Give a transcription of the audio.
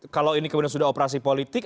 kalau ini kemudian sudah operasi politik